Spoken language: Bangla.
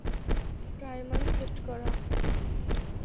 টাইমার সেট করা!